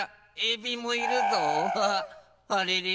あれれ？